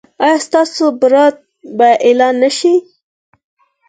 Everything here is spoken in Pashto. ایا ستاسو برات به اعلان نه شي؟